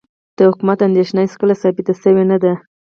د حکومت اندېښنه هېڅکله ثابته شوې نه ده.